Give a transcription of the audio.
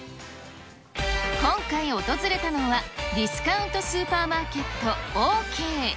今回訪れたのは、ディスカウントスーパーマーケット、オーケー。